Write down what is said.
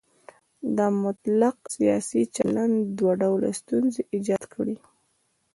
دا مطلق سیاسي چلن دوه ډوله ستونزې ایجاد کړي.